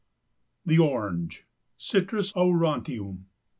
THE ORANGE. (_Citrus aurantium.